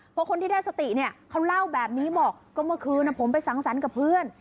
เพราะคนที่ได้สติเนี่ยเขาเล่าแบบนี้บอกก็เมื่อคืนผมไปสังสรรค์กับเพื่อน